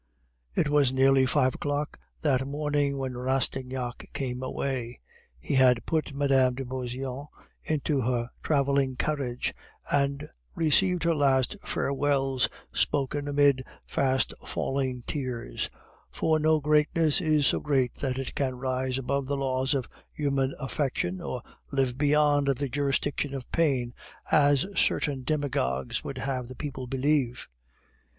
It was nearly five o'clock that morning when Rastignac came away. He had put Mme. de Beauseant into her traveling carriage, and received her last farewells, spoken amid fast falling tears; for no greatness is so great that it can rise above the laws of human affection, or live beyond the jurisdiction of pain, as certain demagogues would have the people believe.